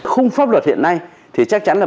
khung pháp luật hiện nay thì chắc chắn là